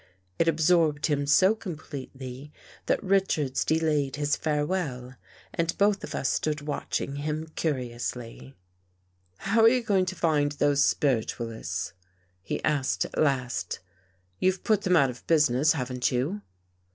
It absorbed him so completely that Richards delayed his farewell and both of us stood watching him curiously. " How are you going to find those spiritualists? " he asked at last. " You've put them out of busi ness, haven't you?